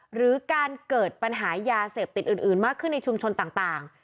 หรือการเกิดปัญหายาเสพติดอื่นมากขึ้นในชุมชนต่าง